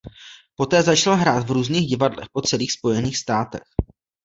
Poté začal hrát v různých divadlech po celých Spojených státech.